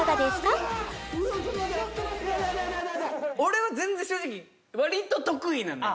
俺は全然正直割と得意なのよ